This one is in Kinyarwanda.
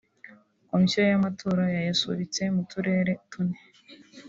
Komisiyo y’Amatora yayasubitse mu turere tune